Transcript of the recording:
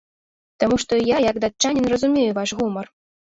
Таму што я як датчанін разумею ваш гумар.